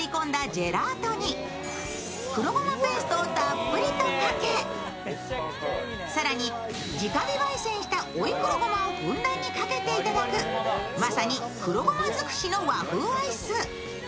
ジェラートに黒ごまペーストをたっぷりとかけ、更に、直火ばい煎した追い黒ごまをふんだんにかけていただくまさに黒ごま尽くしの和風アイス。